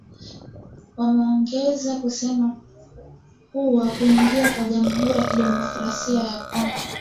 Wameongeza kusema kuwa kuingia kwa jamuhuri ya kidemokrasia ya Kongo